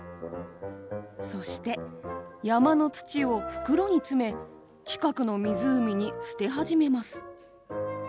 そして山の土を袋に詰め近くの湖に捨て始めます。